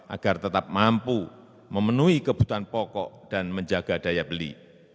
agar tetap mampu memenuhi kebutuhan pokok dan menjaga daya beli